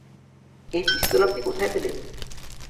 এই পিস্তল আপনি কোথায় পেলেন?